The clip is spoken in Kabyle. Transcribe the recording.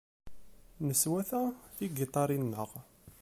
Neswata tigiṭarin-nneɣ.